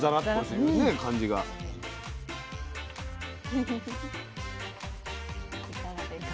いかがですか？